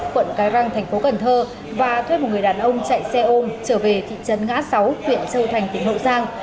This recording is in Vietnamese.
quận cái răng thành phố cần thơ và thuê một người đàn ông chạy xe ôm trở về thị trấn ngã sáu huyện châu thành tỉnh hậu giang